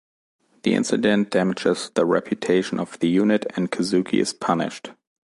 The incident damages the reputation of the unit and Kazuki is punished.